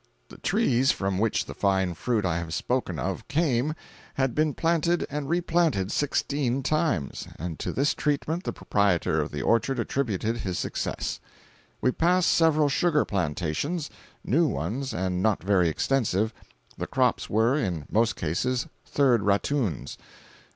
The trees from which the fine fruit I have spoken of, came, had been planted and replanted sixteen times, and to this treatment the proprietor of the orchard attributed his success. We passed several sugar plantations—new ones and not very extensive. The crops were, in most cases, third rattoons.